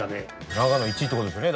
長野１位って事ですよね？